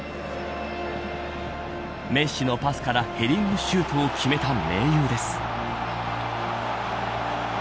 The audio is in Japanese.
メッシのパスからヘディングシュートを決めた盟友です。